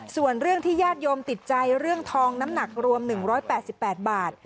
ส่วนเรื่องที่ญาติโยมติดใจเรื่องทองน้ำหนักรวม๑๘๘บาท